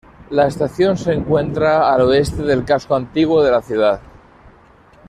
La estación se encuentra al oeste del casco antiguo de la ciudad.